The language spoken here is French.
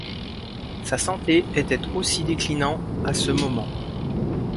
Sa santé était aussi déclinant à ce moment.